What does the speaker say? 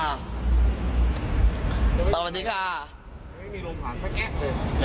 ไม่มีโรงผ่านก็แกะเลย